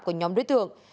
của nhóm đối tượng